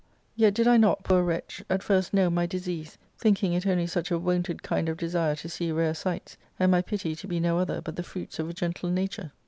Yet did I not, poor wretch ! at first know my disease, think* ing it only such a wonted kind of dggife to see rare sights, and my pity to be no other but the fruits of a gentle nature.